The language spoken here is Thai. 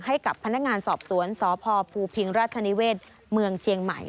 ให้กับพนักงานสอบสวนสพภูพิงราชนิเวศเมืองเชียงใหม่